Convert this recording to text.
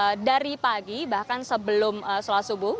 mereka datang dari pagi bahkan sebelum selasubu mereka berbincang